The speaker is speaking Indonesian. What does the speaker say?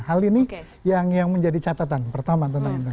hal ini yang menjadi catatan pertama tentang energi